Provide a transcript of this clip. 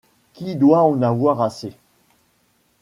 qui doit en avoir assez…